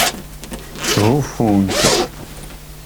Ttḥufun-k.